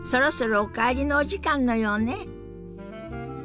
そろそろお帰りのお時間のようね。